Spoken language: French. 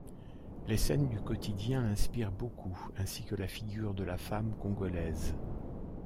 Les scènes du quotidien l'inspirent beaucoup, ainsi que la figure de la femme congolaise.